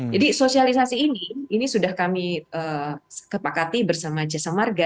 jadi sosialisasi ini sudah kami kepakati bersama jasa marga